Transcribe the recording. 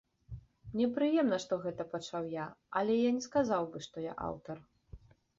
Мне прыемна, што гэта пачаў я, але я не сказаў бы, што я аўтар.